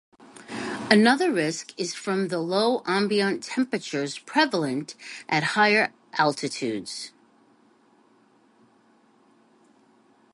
Another risk is from the low ambient temperatures prevalent at higher altitudes.